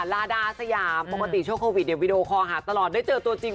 ลาดาสยามปกติช่วงโควิดวีดีโอคอลหาตลอดได้เจอตัวจริง